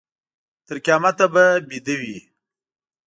تر قیامته به ویده وي.